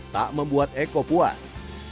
tak membuat eko puas